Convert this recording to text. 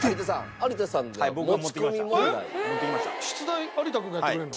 有田君がやってくれるの？